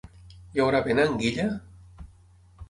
Hi haurà vent a Anguilla?